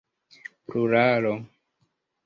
pluralo